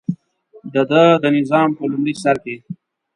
دده د نظام په لومړي سر کې.